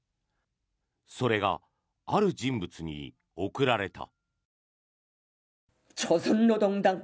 それが、ある人物に贈られた。